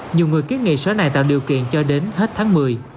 nhiều người kiết nghị xe này tạo điều kiện cho đến hết tháng một mươi